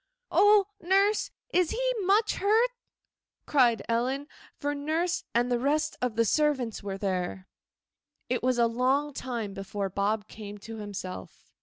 'Oh, nurse, is he much hurt?' cried Ellen, for nurse and the rest of the servants were there. It was a long time before Bob came to himself.